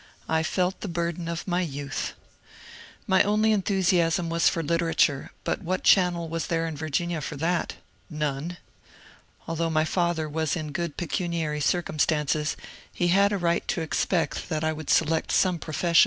I felt the bur den of youth. My only enthusiasm was for literature, but what channel was there in Virginia for that? None. Although my father was in good pecuniary circumstances, he had a right to expect that I would select some profession.